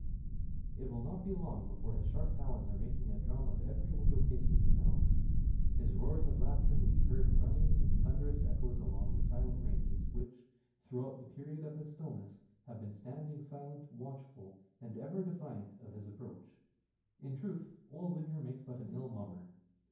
It will not be long before his sharp talons are making a drum of every window casement in the house. His roars of laughter will be heard running in thunderous echoes along those silent ranges which, throughout the period of his stillness, have been standing silent, watchful, and ever defiant of his approach. In truth, old winter makes but an ill mummer.